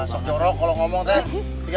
sok jorok kalau ngomong teh